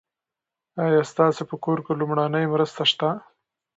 ایا ستاسي په کور کې لومړنۍ مرستې شته؟